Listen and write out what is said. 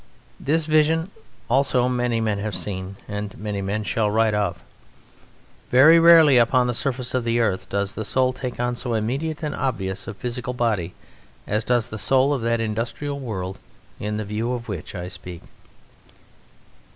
This vision also many men have seen and many men shall write of. Very rarely upon the surface of the earth does the soul take on so immediate and obvious a physical body as does the soul of that industrial world in the view of which I speak.